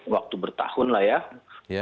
waktu bertahun lah ya